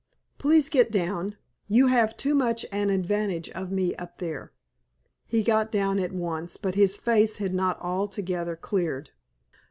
Please get down, you have too much an advantage of me up there." He got down at once, but his face had not altogether cleared.